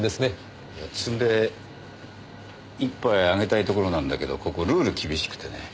摘んで１杯あげたいところなんだけどここルール厳しくてね。